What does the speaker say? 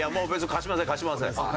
「貸しません貸しません」。